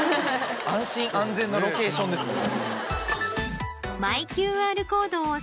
安心安全なロケーションですね。